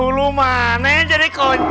aduh janggulah koncay